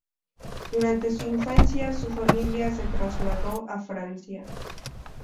Durante su infancia su familia se trasladó a Francia.